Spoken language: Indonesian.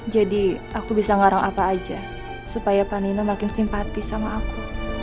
jadi aku bisa ngarang apa aja supaya panino makin simpatis sama aku